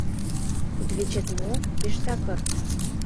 Кудывечет мо пеш такыр?